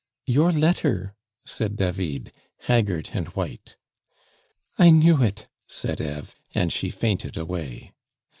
"Your letter," said David, haggard and white. "I knew it!" said Eve, and she fainted away.